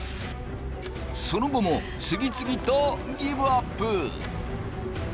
その後も次々とギブアップ。